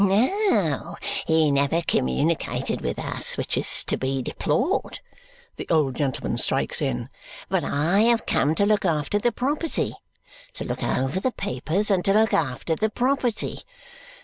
"No, he never communicated with us, which is to be deplored," the old gentleman strikes in, "but I have come to look after the property to look over the papers, and to look after the property.